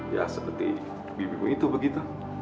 ya seperti bibimu itu begitu